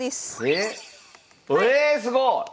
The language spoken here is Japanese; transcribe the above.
えすごい！